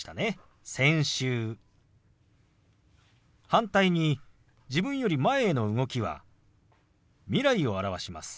反対に自分より前への動きは未来を表します。